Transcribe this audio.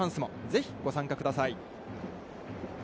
ぜひご参加ください！